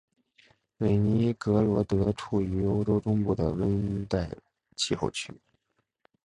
韦尼格罗德处于欧洲中部的温带气候区。